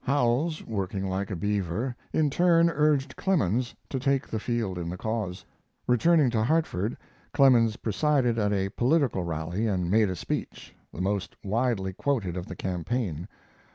Howells, working like a beaver, in turn urged Clemens to take the field in the cause. Returning to Hartford, Clemens presided at a political rally and made a speech, the most widely quoted of the campaign.